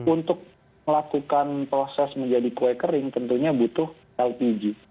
untuk melakukan proses menjadi kue kering tentunya butuh lpg